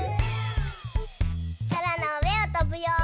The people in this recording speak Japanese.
そらのうえをとぶよ。